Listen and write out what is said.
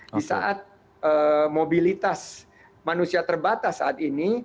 di saat mobilitas manusia terbatas saat ini